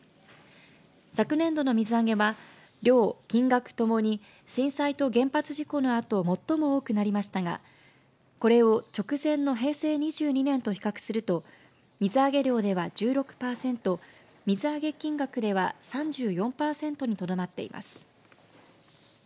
昨年度の水揚げは量、金額ともに震災と原発事故のあと最も多くなりましたがこれを直前の平成２２年と比較すると水揚げ量では１６パーセント水揚げ金額では３４パーセントにとどまっています。